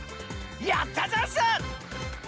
やったざんす！